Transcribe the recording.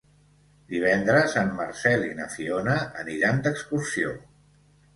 Divendres en Marcel i na Fiona aniran d'excursió.